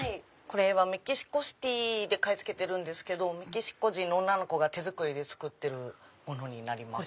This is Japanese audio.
メキシコシティーで買い付けてるんですけどメキシコ人の女の子が手作りしてるものになります。